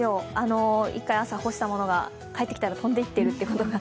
１回朝干したものが帰ってきたら飛んでいるということが。